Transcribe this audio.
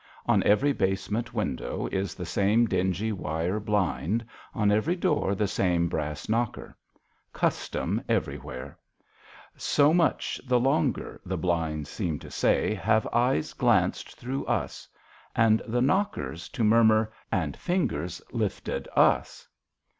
On every basement window is the same dingy wire blind ; on every door the same brass knocker. Custom everywhere !" So much the longer," the blinds seem to say, " have eyes glanced through us"; and the knockers to mur mur, " And fingers lifted us."